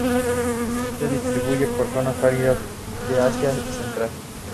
Se distribuye por las zonas áridas de Asia Central.